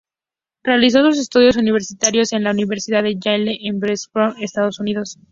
Realizó sus estudios universitarios en la Universidad de Yale en New Haven, Estados Unidos.